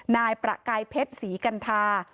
นายประกายเพชรศรีกัณฑา